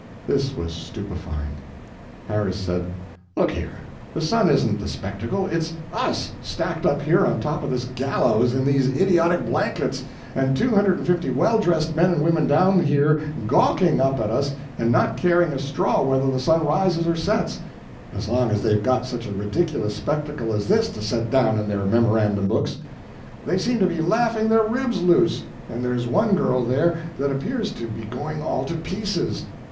This was stupefying. Harris said: "Look here, the sun isn't the spectacle it's US stacked up here on top of this gallows, in these idiotic blankets, and two hundred and fifty well dressed men and women down here gawking up at us and not caring a straw whether the sun rises or sets, as long as they've got such a ridiculous spectacle as this to set down in their memorandum books. They seem to be laughing their ribs loose, and there's one girl there that appears to be going all to pieces.